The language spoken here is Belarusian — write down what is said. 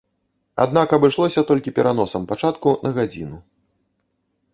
Аднак абышлося толькі пераносам пачатку на гадзіну.